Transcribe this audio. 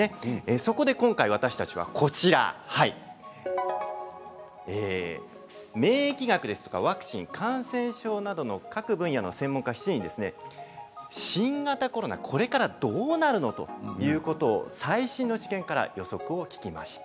そこで今回、私たちはこちら免疫学ですとかワクチン感染症などの各分野の専門家７人に新型コロナこれからどうなっていくのかということの最新の知見から予測を聞きました。